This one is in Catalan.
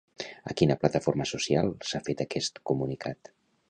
A quina plataforma social s'ha fet aquest comunicat?